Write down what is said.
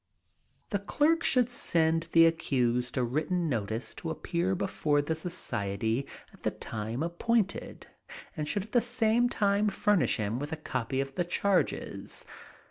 The clerk should send the accused a written notice to appear before the society at the time appointed, and should at the same time furnish him with a copy of the charges.